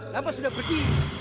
nabas sudah pergi